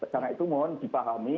karena itu mohon dipahami